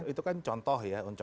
itu kan contoh ya